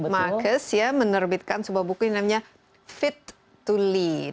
markus menerbitkan sebuah buku yang namanya fit to lead